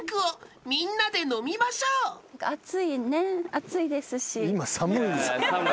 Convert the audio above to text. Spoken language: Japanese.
暑いですし。